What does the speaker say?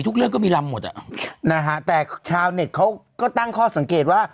เรื่องก็มีลำหมดอ่ะนะฮะแต่ชาวเน็ตเขาก็ตั้งข้อสังเกตว่า